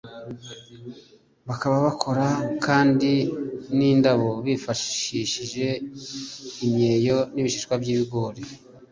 bakaba bakora kandi n'indabo bifashishije imyeyo n'ibishishwa by'ibigori